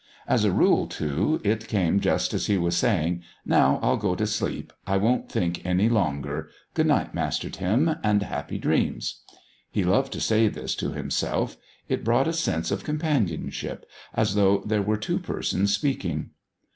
As a rule, too, it came just as he was saying, "Now I'll go to sleep. I won't think any longer. Good night, Master Tim, and happy dreams." He loved to say this to himself; it brought a sense of companionship, as though there were two persons speaking.